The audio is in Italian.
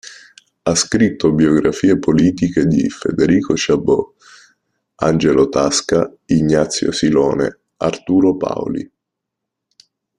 Ha scritto biografie politiche di Federico Chabod, Angelo Tasca, Ignazio Silone, Arturo Paoli.